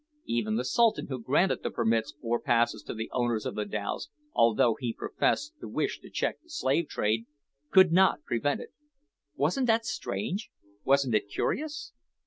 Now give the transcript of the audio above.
Even the Sultan who granted the permits or passes to the owners of the dhows, although he professed to wish to check the slave trade, could not prevent it. Wasn't that strange wasn't it curious?